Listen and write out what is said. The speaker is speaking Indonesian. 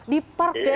di park deh